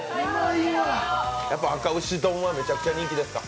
やっぱ、あか牛丼はめちゃくちゃ人気ですか？